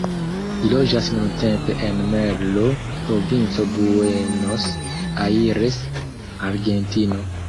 Li loĝas nuntempe en Merlo, provinco Buenos Aires, Argentino.